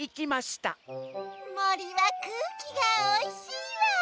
もりはくうきがおいしいわ。